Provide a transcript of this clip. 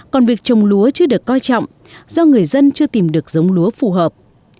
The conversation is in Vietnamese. còn việc trồng lúa chưa được coi trọng do người dân chưa tìm được giống lúa phù hợp